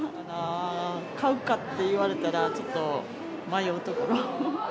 買うかって言われたら、ちょっと迷うところ。